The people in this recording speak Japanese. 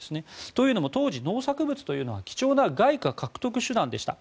というのも当時農作物というのは貴重な外貨獲得手段でした。